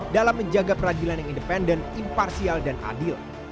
dalam menjaga peradilan yang independen imparsial dan adil